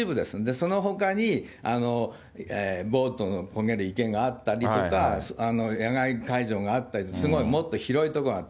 そのほかに、ボートのこげる池があったりとか、野外会場があったり、すごいもっと広い所がある。